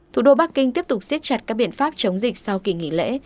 thủ đô bắc kinh tiếp tục xiết chặt các biện pháp chống dịch sau kỳ nghỉ lễ